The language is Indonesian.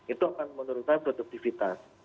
itu akan menurut saya produktivitas